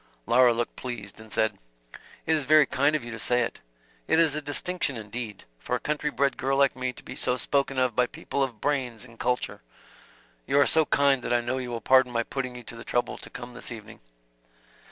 Laura looked pleased, and said: "It is very kind of you to say it. It is a distinction indeed, for a country bred girl like me to be so spoken of by people of brains and culture. You are so kind that I know you will pardon my putting you to the trouble to come this evening."